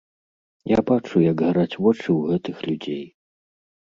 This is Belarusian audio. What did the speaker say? Я бачу, як гараць вочы ў гэтых людзей.